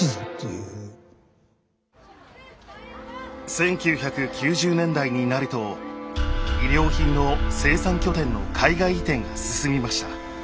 １９９０年代になると衣料品の生産拠点の海外移転が進みました。